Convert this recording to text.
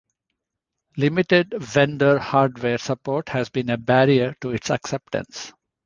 Limited vendor hardware support has been a barrier to its acceptance.